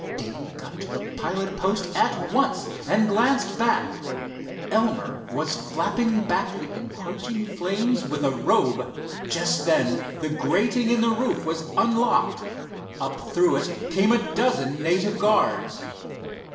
Dave got to the pilot post at once, and glanced back. Elmer was flapping back the encroaching flames with a robe. Just then the grating in the roof was unlocked. Up through it came a dozen native guards.